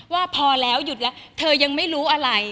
ว่าพอแล้วหยุดแล้วเธอยังไม่รู้อะไร